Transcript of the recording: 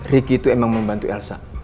ricky itu emang membantu elsa